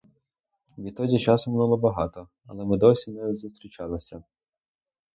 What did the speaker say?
Відтоді часу минуло багато, але ми досі не зустрічалися.